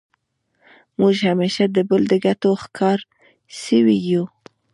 موږ همېشه د بل د ګټو ښکار سوي یو.